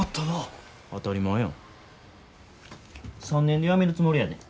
３年で辞めるつもりやで。